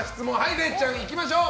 れいちゃん、いきましょう。